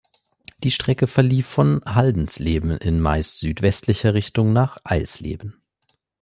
Die Strecke verlief von Haldensleben in meist südwestlicher Richtung nach Eilsleben.